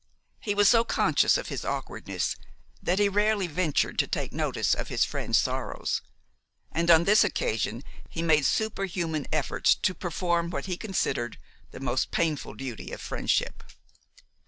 He was so conscious of his awkwardness that he rarely ventured to take notice of his friend's sorrows; and on this occasion he made superhuman efforts to perform what he considered the most painful duty of friendship.